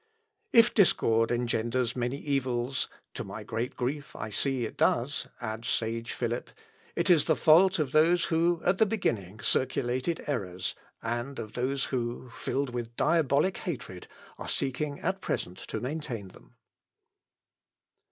If discord engenders many evils, (to my great grief I see it does, adds sage Philip,) it is the fault of those who at the beginning circulated errors, and of those who, filled with diabolic hatred, are seeking at present to maintain them."